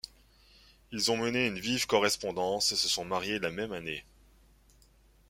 Ils ont mené une vive correspondance et se sont mariés la même année.